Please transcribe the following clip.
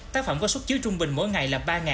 tác phẩm có xuất chiếu trung bình mỗi ngày là ba